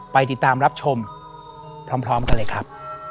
ไปติดตามรับชมพร้อมกันเลยครับ